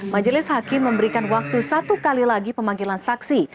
majelis hakim memberikan waktu satu kali lagi pemanggilan saksi